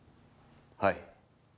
「はい」